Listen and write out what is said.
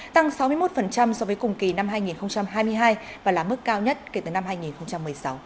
tăng sáu mươi một so với cùng kỳ năm hai nghìn hai mươi hai và là mức cao nhất kể từ năm hai nghìn một mươi sáu